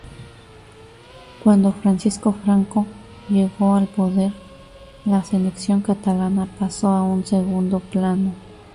Cuando Francisco Franco llegó al poder, la selección catalana pasó a un segundo plano.